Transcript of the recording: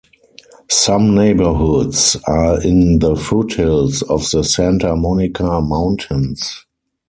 Some neighborhoods are in the foothills of the Santa Monica Mountains.